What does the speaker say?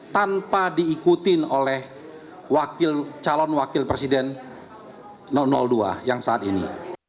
tanpa diikutin oleh calon wakil presiden dua yang saat ini